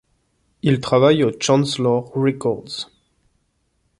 Il travaille au Chancellor Records.